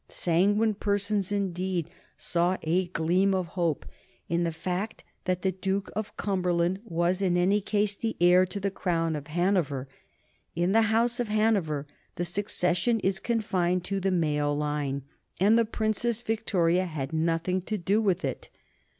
Sanguine persons, indeed, saw a gleam of hope in the fact that the Duke of Cumberland was in any case the heir to the crown of Hanover. In the House of Hanover the succession is confined to the male line, and the Princess Victoria had nothing to do with it.